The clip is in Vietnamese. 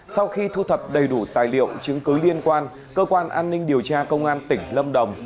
sau khi thu thập đầy đủ tài liệu chứng cứ liên quan cơ quan an ninh điều tra công an tỉnh lâm đồng